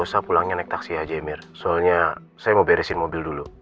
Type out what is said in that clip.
soalnya saya mau beresin mobil dulu